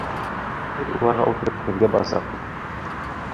Беҙ уларға ултырып һеҙгә барасаҡбыҙ!